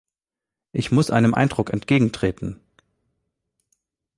Ich muss einem Eindruck entgegentreten.